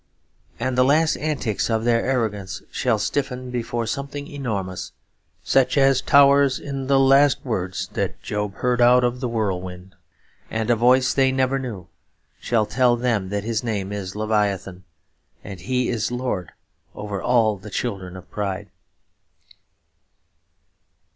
And the last antics of their arrogance shall stiffen before something enormous, such as towers in the last words that Job heard out of the whirlwind; and a voice they never knew shall tell them that his name is Leviathan, and he is lord over all the children of pride.